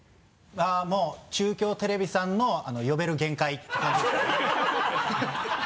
もう中京テレビさんの呼べる限界って感じですね。